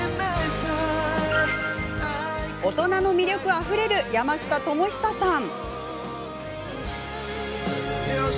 大人の魅力あふれる山下智久さん。